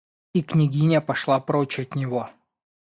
И княгиня пошла прочь от него.